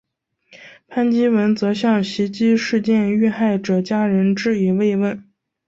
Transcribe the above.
潘基文则向袭击事件遇害者家人致以慰问。